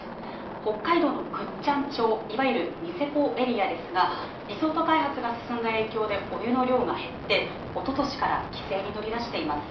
北海道の倶知安町、いわゆるニセコエリアですが、リゾート開発が進んだ影響で、お湯の量が減って、おととしから規制に乗り出しています。